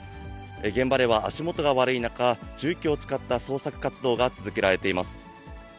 現場では、足元が悪い中、重機を使った捜索活動が続けられています。